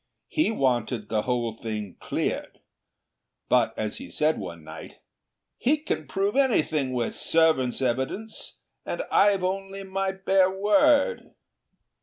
He wanted the whole thing cleared; but, as he said one night, 'He can prove anything with servants' evidence, and I've only my bare word.'